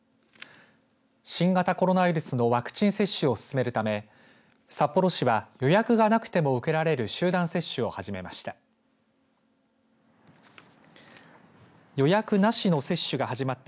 新型コロナウイルスのワクチン接種を進めるため札幌市は予約がなくても受けられる集団接種を始めました。